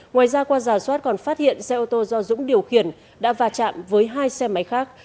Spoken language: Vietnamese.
ngoài ra qua giả soát còn phát hiện xe ô tô do dũng điều khiển đã va chạm với hai xe máy khác